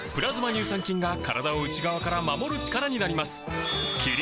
乳酸菌が体を内側から守る力になります